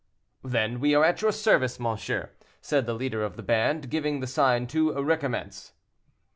"Then we are at your service, monsieur," said the leader of the band, giving the sign to recommence.